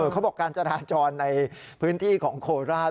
เขาบอกการจราจรในพื้นที่ของโคราช